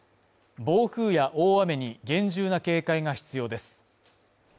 暴風や大雨に厳重な警戒が必要です。